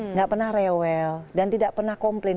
nggak pernah rewel dan tidak pernah komplain